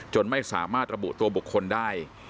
ไม่สามารถระบุตัวบุคคลได้